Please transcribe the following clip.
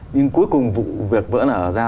nhưng cuối cùng vụ việc vỡ nở ra